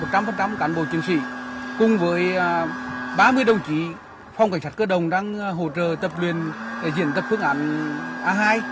một trăm linh cán bộ chiến sĩ cùng với ba mươi đồng chí phòng cảnh sát cơ đồng đang hỗ trợ tập luyện diễn tập phương án a hai